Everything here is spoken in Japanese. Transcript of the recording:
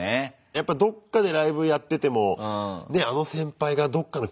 やっぱどっかでライブやっててもねあの先輩がどっかの客席で見てんだな。